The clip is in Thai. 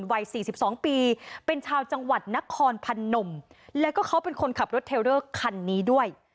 วัย๔๒ปีเป็นชาวจังหวัดนครพนมแล้วก็เขาเป็นคนขับรถเทลเดอร์คันนี้ด้วย